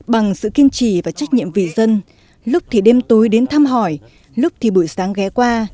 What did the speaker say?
bằng sự kiên trì và trách nhiệm vì dân lúc thì đêm tối đến thăm hỏi lúc thì buổi sáng ghé qua